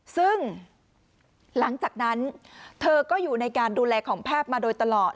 ซึ่งหลังจากนั้นเธอก็อยู่ในการดูแลของแพทย์มาโดยตลอด